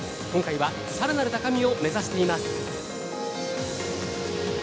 今回はさらなる高みを目指しています。